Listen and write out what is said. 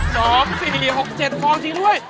๒๔๖๗ฟองจริงด้วย